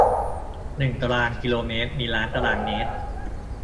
หนึ่งตารางกิโลเมตร มีล้านตารางเมตร